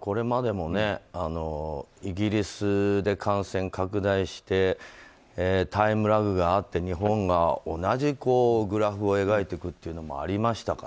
これまでもイギリスで感染拡大してタイムラグがあって日本が同じグラフを描いていくというのもありましたから。